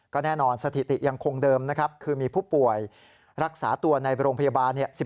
ก็แน่นอนสถิติยังคงเดิมนะครับคือมีผู้ป่วยรักษาตัวในโรงพยาบาล